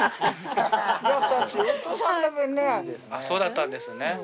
そうだったんですね。